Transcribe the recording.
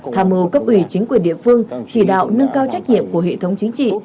tham mưu cấp ủy chính quyền địa phương chỉ đạo nâng cao trách nhiệm của hệ thống chính trị